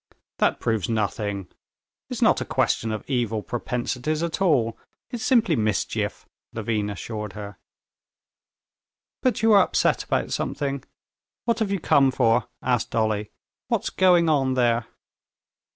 "That proves nothing; it's not a question of evil propensities at all, it's simply mischief," Levin assured her. "But you are upset about something? What have you come for?" asked Dolly. "What's going on there?"